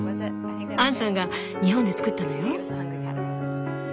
アンさんが日本で作ったのよ。